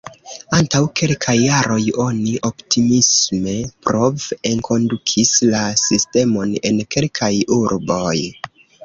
Antaŭ kelkaj jaroj oni optimisme prov-enkondukis la sistemon en kelkaj urboj.